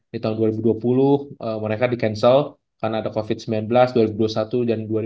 di tahun dua ribu dua puluh mereka di cancel karena ada covid sembilan belas dua ribu dua puluh satu dan dua ribu dua puluh